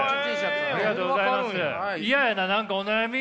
ありがとうございます。